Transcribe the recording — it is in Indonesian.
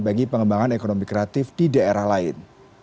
bagi pengembangan ekonomi kreatif di daerah lain